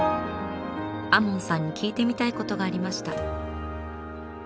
亞門さんに聞いてみたいことがありました。